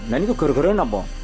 dan itu gara gara apa